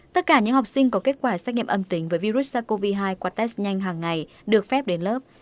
tất cả những học sinh có kết quả xét nghiệm âm tính với virus sars cov hai qua test nhanh hàng ngày được phép đến lớp